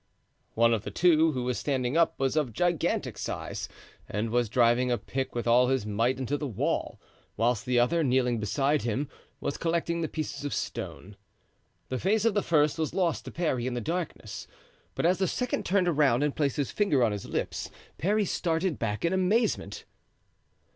One of the two, who was standing up, was of gigantic size and was driving a pick with all his might into the wall, whilst the other, kneeling beside him, was collecting the pieces of stone. The face of the first was lost to Parry in the darkness; but as the second turned around and placed his finger on his lips Parry started back in amazement.